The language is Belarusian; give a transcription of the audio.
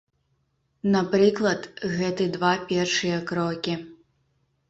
Напрыклад, гэты два першыя крокі.